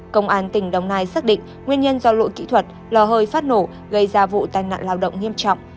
công an tỉnh đồng nai xác định nguyên nhân do lỗi kỹ thuật lò hơi phát nổ gây ra vụ tai nạn lao động nghiêm trọng